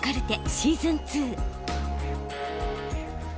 シーズン２。